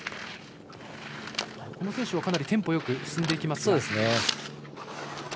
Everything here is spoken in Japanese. この選手はかなりテンポよく進んでいきます。